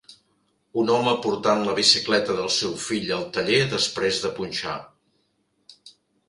Un home portant la bicicleta del seu fill al taller després de punxar.